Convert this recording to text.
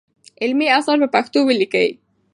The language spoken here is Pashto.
علمي اثار په پښتو ولیکئ.